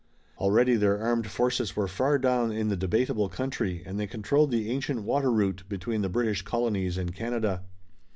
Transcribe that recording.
Already their armed forces were far down in the debatable country, and they controlled the ancient water route between the British colonies and Canada.